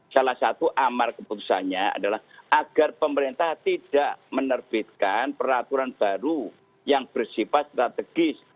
salah satu amar keputusannya adalah agar pemerintah tidak menerbitkan peraturan baru yang bersifat strategis